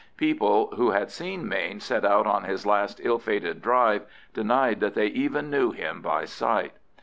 People who had seen Mayne set out on his last ill fated drive denied that they even knew him by sight.